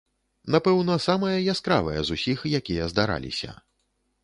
Напэўна, самае яскравае з усіх, якія здараліся.